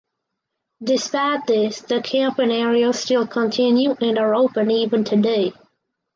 Despite this the camping areas still continue and are open even today.